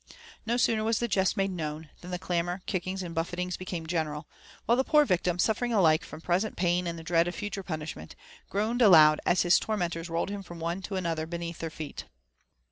No sooner was the jest made known, than the clamour, kickings, and buffetings became general ; while the poor victim, suffering alike from present pain and the dread of future punishment, groaned aloud as his tormentors rolled him from one to the other beneath their feet.